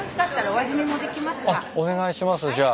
あっお願いしますじゃあ。